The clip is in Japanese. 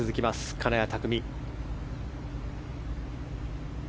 金谷拓実。